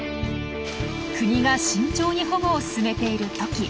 国が慎重に保護を進めているトキ。